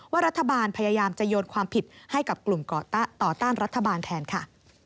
รัฐบาลพยายามจะโยนความผิดให้กับกลุ่มต่อต้านรัฐบาลแทนค่ะ